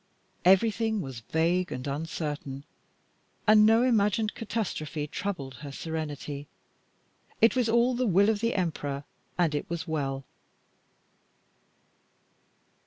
Everything was vague and uncertain, and no imagined catastrophe troubled her serenity. It was all the will of the Emperor, and it was well.